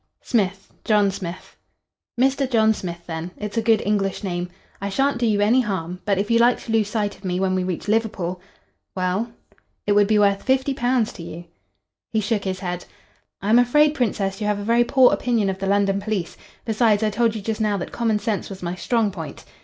"Smith John Smith." "Mr. John Smith, then. It's a good English name. I shan't do you any harm. But if you like to lose sight of me when we reach Liverpool " "Well?" "It would be worth £50 to you." He shook his head. "I am afraid, Princess, you have a very poor opinion of the London police. Besides, I told you just now that common sense was my strong point."